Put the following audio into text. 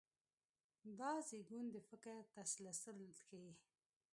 دا زېږون د فکر تسلسل ښيي.